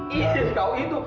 iih tau itu